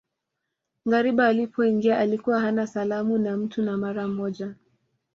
Ngariba alipoingia alikuwa hana salamu na mtu na mara moja